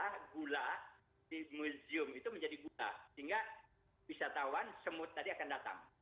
tapi kuatlah gula di musium itu menjadi gula sehingga wisatawan semut tadi akan datang